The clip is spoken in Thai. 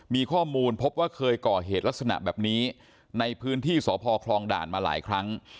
มีข้อมูลพบว่าเคยก่อเหตุลักษณะแบบนี้ในพื้นที่สพคลองด่านมาหลายครั้ง